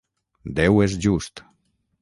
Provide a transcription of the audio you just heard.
Déu és just.